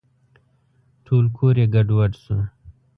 ټول کور یې ګډوډ شو .